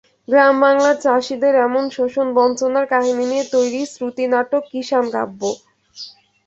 গ্রামবাংলার চাষিদের এমন শোষণ-বঞ্চনার কাহিনি নিয়ে তৈরি শ্রুতি নাটক কিষান কাব্য।